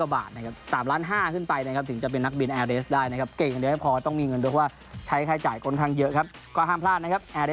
เวิร์ดคลับไทยแลนด์๒๐๑๗